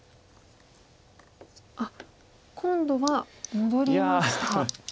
あっ今度は戻りました。